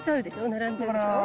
並んでるでしょ。